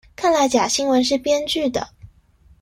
看來假新聞是編劇的